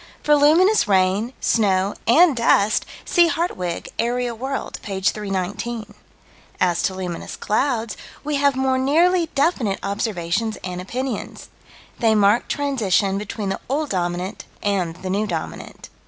For luminous rain, snow, and dust, see Hartwig, Aerial World, p. 319. As to luminous clouds, we have more nearly definite observations and opinions: they mark transition between the Old Dominant and the New Dominant.